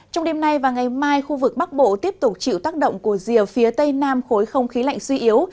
trong đêm nay và ngày mai khu vực bắc bộ tiếp tục chịu tác động của rìa phía tây nam khối không khí lạnh suy yếu